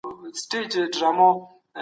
د ډیپلوماټانو خوندیتوب تضمین سوی و.